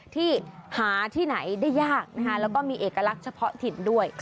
ที่หาที่ไหนได้ยากแล้วก็มีเอกลักษณ์เฉพาะถิ่นด้วย